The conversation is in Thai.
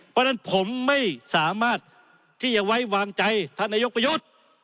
เพราะฉะนั้นผมไม่สามารถที่จะไว้วางใจท่านนายกประยุทธ์